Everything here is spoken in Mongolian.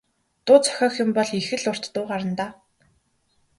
Дуу зохиох юм бол их л урт дуу гарна даа.